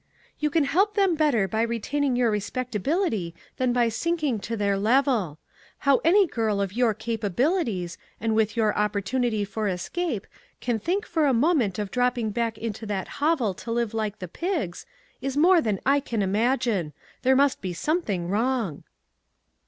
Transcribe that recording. "You can help them better by retaining your respectability than by sinking to their FRUIT FROM THE PICNIC. l6l level. How any girl of your capabilities, and with your opportunity for escape, can think for a moment of dropping back into that hovel to live like the pigs, is more than I can imagine. There must be something wrong."